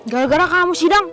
gara gara kamu sih dang